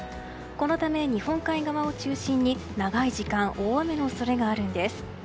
このため日本海側を中心に長い時間大雨の恐れがあるんです。